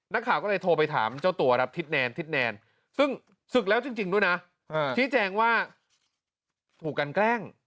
นักข่าวก็เลยโทรไปถามเจ้าตัวครับทิศแนนทิศแนนซึ่งศึกแล้วจริงด้วยนะชี้แจงว่าถูกกันแกล้ง